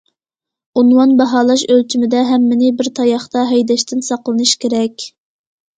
ئۇنۋان باھالاش ئۆلچىمىدە ھەممىنى بىر تاياقتا ھەيدەشتىن ساقلىنىش كېرەك.